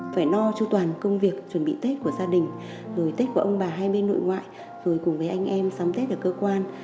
phải no cho toàn công việc chuẩn bị tết của gia đình rồi tết của ông bà hai bên nội ngoại rồi cùng với anh em xóm tết ở cơ quan